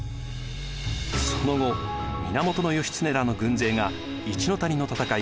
その後源義経らの軍勢が一の谷の戦い